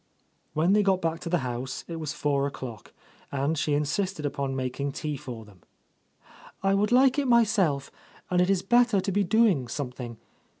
When they got back to the house it was four o'clock, and she insisted upon making tea for them. "I would like it myself, and it is better to be doing something.